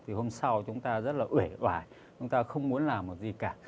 thì hôm sau chúng ta rất là ủe oải chúng ta không muốn làm một gì cả